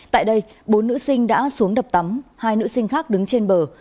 tại đây bốn nữ sinh đã xuống đập tắm hai nữ sinh khác đứng trên bờ